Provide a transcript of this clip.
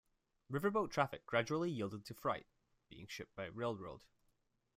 Riverboat traffic gradually yielded to freight being shipped by railroad.